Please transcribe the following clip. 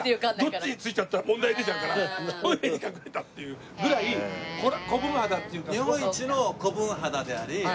どっちに付いちゃったら問題出ちゃうからトイレに隠れたっていうぐらい子分肌っていうか。